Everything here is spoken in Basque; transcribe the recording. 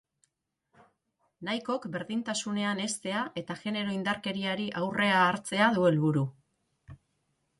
Nahikok berdintasunean heztea eta genero indarkeriari aurrea hartzea du helburu.